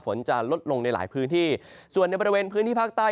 ฝนจะลดลงในหลายพื้นที่ส่วนในบริเวณพื้นที่ภาคใต้